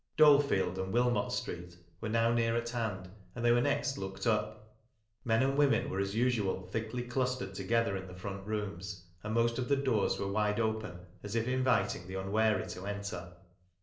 Dolefield and Willinott street were now near at hand, and they were next looked up. Men and women were as usual thickly clustered together in the front rooms, and most of the doors were wide open as if inviting the unwary to enter.